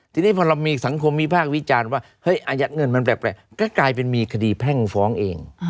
ทีนี้พอเรามีสังคมวิพากษ์วิจารณ์ว่าเฮ้ยอายัดเงินมันแปลกก็กลายเป็นมีคดีแพ่งฟ้องเอง